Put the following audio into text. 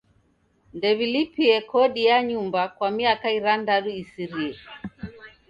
Ndew'ilipie kodi ya nyumba kwa miaka irandadu isirie.